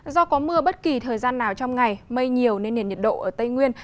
do có mưa bất kỳ thời gian nào trong ngày mây nhiều nên nền nhiệt độ ở tây nguyên